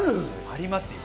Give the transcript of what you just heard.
ありますよ。